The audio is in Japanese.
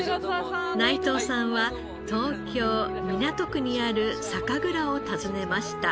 内藤さんは東京港区にある酒蔵を訪ねました。